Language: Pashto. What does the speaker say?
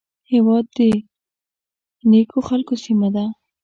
هېواد د نیکو خلکو سیمه ده